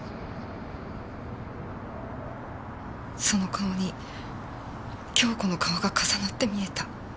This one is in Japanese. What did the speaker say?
その顔に京子の顔が重なって見えた。